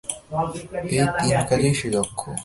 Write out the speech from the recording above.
এই তিন কাজেই সে দক্ষ।